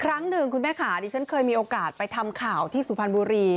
ครั้งหนึ่งคุณแม่ขาดิฉันเคยมีโอกาสไปทำข่าวที่สุพรรณบุรี